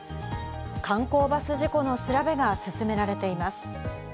観光バス事故の調べが進められています。